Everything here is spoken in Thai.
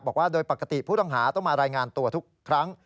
บอกว่าโดยปกติผู้ต้องหาต้องมารายงานตัวทุกครั้ง